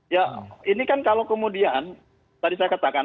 ya ini kan kalau kemudian tadi saya katakan